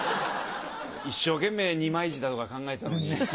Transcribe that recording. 一生懸命二枚舌とか考えたのに。